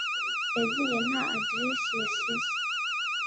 Yagiye nta aderesi yasize